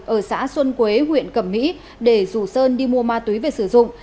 ở xã xuân quế huyện cẩm mỹ để rủ sơn đi mua ma túy về sử dụng